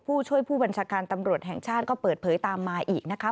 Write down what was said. ผู้ช่วยผู้บัญชาการตำรวจแห่งชาติก็เปิดเผยตามมาอีกนะคะ